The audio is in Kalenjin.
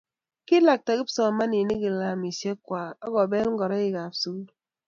kilakta kipsomaninik kilamisiek kwach akubel ngoroikab sukul